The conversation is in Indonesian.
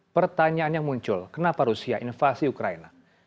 pertanyaannya muncul kenapa rusia invasi ukraina